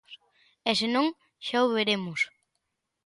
E, se non, xa o veremos.